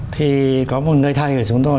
thì có một người thầy của chúng tôi